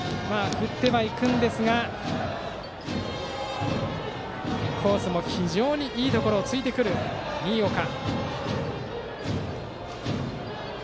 振ってはいくんですがコースも非常にいいところを突いてくる、新岡。